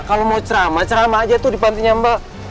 kalau mau ceramah ceramah aja tuh di pantinya mbak